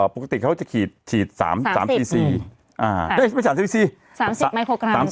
ปกติเขาจะขีด๓๔๔๓๐ไมโครกรัม